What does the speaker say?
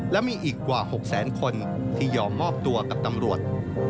และมีอีกกว่า๖แสนคนที่ยอมมอบตัวกับตำรวจ